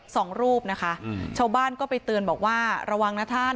สองรูปนะคะอืมชาวบ้านก็ไปเตือนบอกว่าระวังนะท่าน